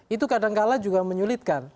itu kadangkala juga menyulitkan